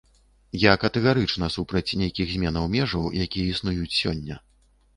Я катэгарычна супраць нейкіх зменаў межаў, якія існуюць сёння.